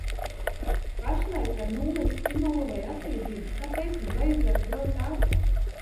Pašlaik, ar nulles stimulu vai atlīdzību, kāpēc man vajadzētu braukt ātrāk?